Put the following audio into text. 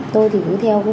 tôi thì cứ theo